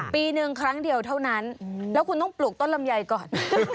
ปีหนึ่งครั้งเดียวเท่านั้นแล้วคุณต้องปลูกต้นลำไยก่อน